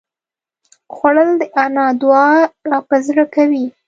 خوړل د انا دعا راپه زړه کوي